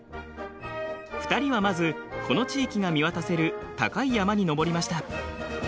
２人はまずこの地域が見渡せる高い山に登りました。